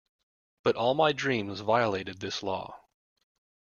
But all my dreams violated this law.